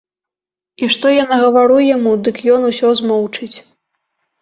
І што я нагавару яму, дык ён усё змоўчыць.